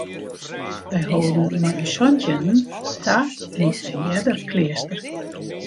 Wy holden mei ús santjinnen ta yn in earder kleaster.